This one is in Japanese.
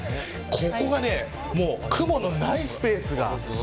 ここが雲のないスペースが。